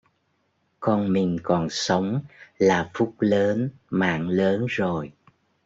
Con mình còn sống là phúc lớn mạng lớn rồi